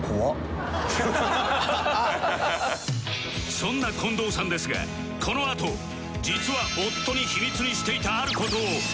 そんな近藤さんですがこのあと実は夫に秘密にしていたある事を初告白！